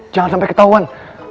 jangan sampe ketauan